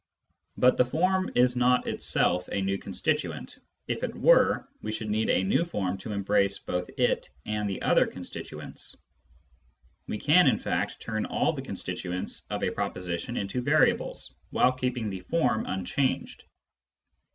But the form is not itself a new constituent ; if it were, we should need a new form to embrace both it and the other constituents.. We can, in fact, turn all the constituents of a proposition into variables, while keeping the form unchanged.